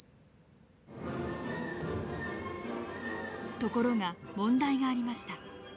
ところが問題がありました。